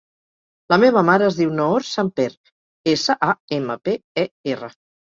La meva mare es diu Noor Samper: essa, a, ema, pe, e, erra.